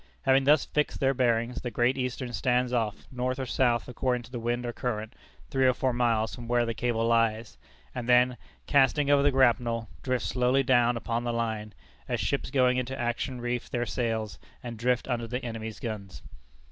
Having thus fixed their bearings, the Great Eastern stands off, north or south according to the wind or current, three or four miles from where the cable lies, and then, casting over the grapnel, drifts slowly down upon the line, as ships going into action reef their sails, and drift under the enemy's guns.